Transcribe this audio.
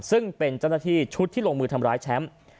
ซึ่งเป็นเจ้าหน้าที่ชุดที่ลงมือทำร้ายแชมป์